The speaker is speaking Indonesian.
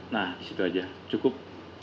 nah disitu saja cukup